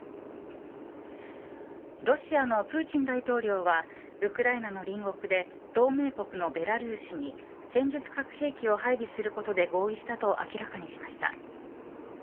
ロシアのプーチン大統領はウクライナの隣国で同盟国のベラルーシに戦術核兵器を配備することで合意したと明らかにしました。